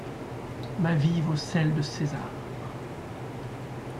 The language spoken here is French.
Ma vie vaut celle de César.